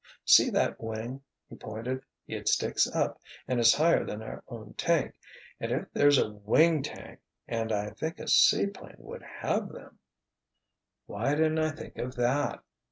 "See that wing?" he pointed. "It sticks up, and it's higher than our own tank—and if there's a wing tank, and I think a seaplane would have them——" "Why didn't I think of that?"